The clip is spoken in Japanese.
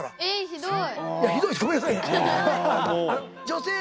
ひどい。